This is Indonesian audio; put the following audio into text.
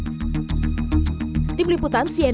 jika diperlukan penampingan dan penjemputan